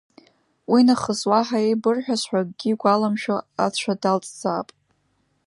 Уи нахыс уаҳа еибырҳәаз ҳәа акгьы игәаламшәо ацәа далҵзаап.